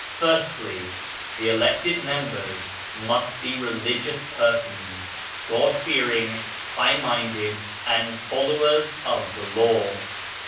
Firstly: The elected members must be re ligious persons, God fearing, high minded and followers of the law.